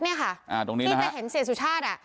ที่มันเห็นเศรษฐสุชาติ